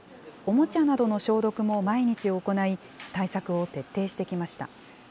おもちゃなどの消毒も毎日行い、対策を徹底してきました。